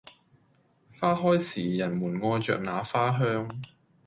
花開時；人們愛著那花香